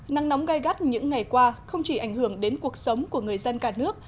nắng nóng gai gắt những ngày qua không chỉ ảnh hưởng đến cuộc sống của người dân cả nước